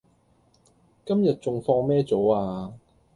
今日仲放咩早呀